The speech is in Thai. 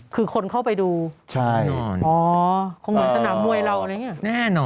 คือคนเข้าไปดูใช่อ๋อคงเหมือนสนามมวยเราอะไรอย่างนี้แน่นอน